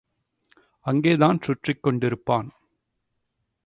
அங்கேதான் சுற்றிக் கொண்டிருப்பான்.